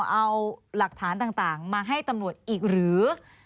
เอาหลักฐานต่างมาให้ตำรวจอีกหรือ